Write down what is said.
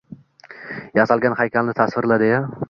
Yasalgan haykalni tasvirla, deya.